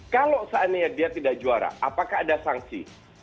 kalau seandainya dia tidak juara apakah ada sanksi